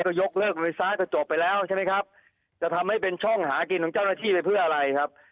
ก็ยกเลิกเลยซ้ายก็จบไปแล้วใช่ไหมครับจะทำให้เป็นช่องหากินของเจ้าหน้าที่ไปเพื่ออะไรครับ